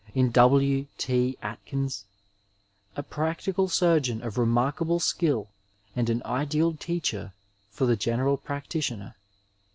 In W. T. Aikins, a practical surgeon of remarkable skill and an ideal teacher for the general practitioner.